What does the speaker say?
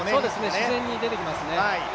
自然に出てきますね。